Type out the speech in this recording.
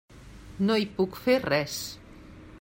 No hi puc fer res.